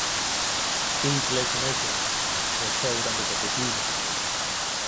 These locomotives were sold under the Baguley name.